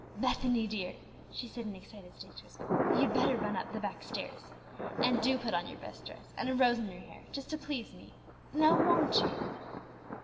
"Bethany, dear," she said in an excited stage whisper, "you'd better run up the back stairs. And do put on your best dress, and a rose in your hair, just to please me. Now, won't you?"